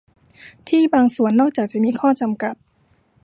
ที่บางส่วน นอกจากจะมีข้อจำกัด